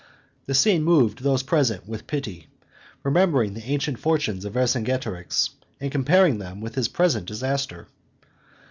The scene moved those present with pity, remembering the ancient fortunes of Vercingetorix and comparing them with his present disaster.